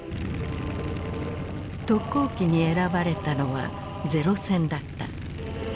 特攻機に選ばれたのは零戦だった。